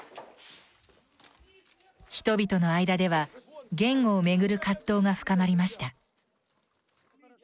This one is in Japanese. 人々の間では言語を巡る葛藤が深まりました。